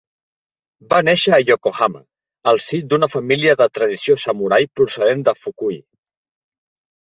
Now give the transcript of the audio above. Va néixer a Yokohama, al si d'una família de tradició samurai procedent de Fukui.